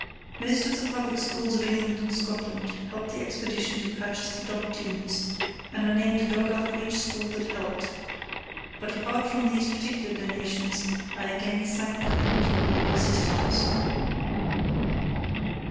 Most of the Public Schools of England and Scotland helped the Expedition to purchase the dog teams, and I named a dog after each school that helped. But apart from these particular donations I again thank the many people who assisted us.